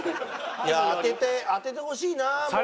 当てて当ててほしいなもう。